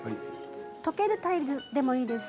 溶けるタイプでもいいです